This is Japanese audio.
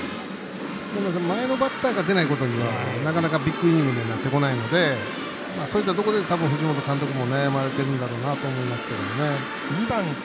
なので、前のバッターが出ないことにはなかなかビッグイニングにはなってこないのでそういったとこで藤本監督も悩まれているんだと思うんですけどね。